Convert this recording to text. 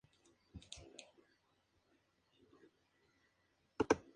Actualmente está considerada como una finca del municipio.